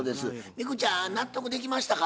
ミクちゃん納得できましたか？